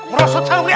merosot sama dia